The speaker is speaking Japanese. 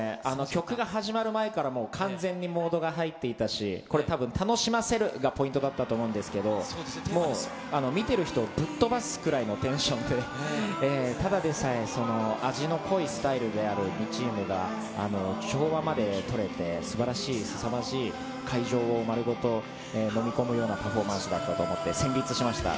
曲が始まる前から、もう完全にモードが入っていたし、これ、たぶん、楽しませるがポイントだったと思うんですけど、もう見てる人をぶっ飛ばすくらいのテンションで、ただでさえ味の濃いスタイルである２チームが、調和まで取れて、すばらしい、すさまじい、会場を丸ごと飲み込むようなパフォーマンスだったと思って、せんりつしました。